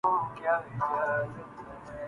زندگی یوں بھی گزر ہی جاتی